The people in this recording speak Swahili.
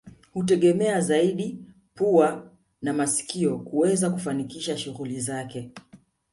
Hutegemea zaidi pua na masikio kuweza kufanikisha shughuli zake